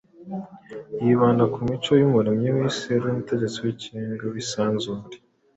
zibanda ku mico y’Umuremyi w’isi ari we Mutegetsi w’ikirenga w’isanzure.